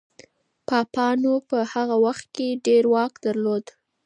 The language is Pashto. پاپانو په هغه وخت کي ډېر واک درلود.